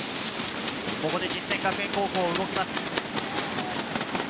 ここで実践学園高校、動きます。